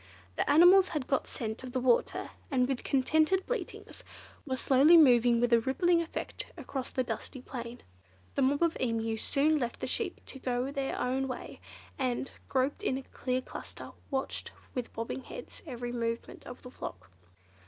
The animals had got scent of the water, and with contented bleatings were slowly moving with a rippling effect across the dusty plain. The mob of Emu soon left the sheep to go their own way, and, grouped in a cluster, watched, with bobbing heads, every movement of the flock.